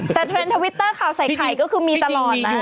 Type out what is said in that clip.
แต่เทรนด์ทวิตเตอร์ข่าวใส่ไข่ก็คือมีตลอดนะ